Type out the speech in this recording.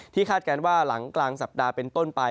คาดการณ์ว่าหลังกลางสัปดาห์เป็นต้นไป